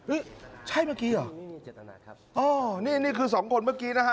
อึ๊ยใช่เมื่อกี๊อ๋ออู้วนี่นี่คือสองคนเมื่อกี้นะฮะ